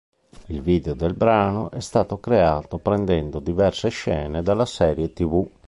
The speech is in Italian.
Il video del brano è stato creato prendendo diverse scene della serie tv.